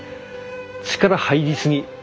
力入りすぎ。